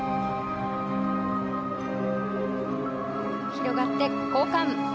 広がって、交換。